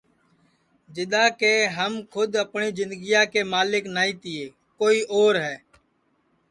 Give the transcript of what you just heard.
جِدؔا کہ ہم کھود اپٹؔی جِندگیا کے ملک نائی تیے کوئی اور ہے